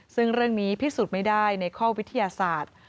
ซึ่งเรื่องนี้พิสูจน์ไม่ได้ในข้อวิทยาศาสตร์